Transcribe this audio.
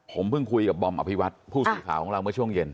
ผมเพิ่งคุยกับบอมอภิวัตผู้สื่อข่าวของเราเมื่อช่วงเย็น